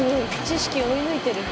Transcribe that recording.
知識追い抜いてる。